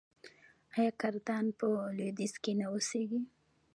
آیا کردان په لویدیځ کې نه اوسیږي؟